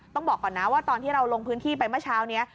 ต้องบอกก่อนนะว่าตอนที่เราลงพื้นที่ไปเมื่อเช้านี้